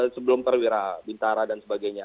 sebelum perwira bintara dan sebagainya